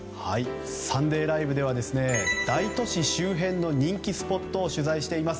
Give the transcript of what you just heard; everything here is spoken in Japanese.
「サンデーＬＩＶＥ！！」では大都市周辺の人気スポットを取材しています。